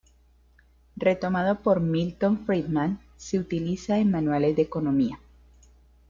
Retomado por Milton Friedman, se utiliza en manuales de economía.